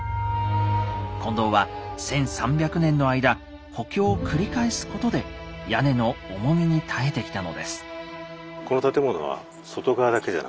金堂は１，３００年の間補強を繰り返すことで屋根の重みに耐えてきたのです。